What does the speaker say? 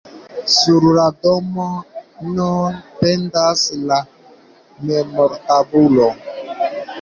Sur la domo nun pendas la memortabulo.